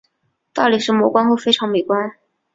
大理石磨光后非常美观。